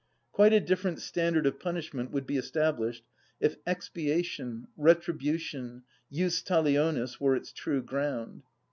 Quite a different standard of punishment would be established if expiation, retribution, jus talionis, were its true ground.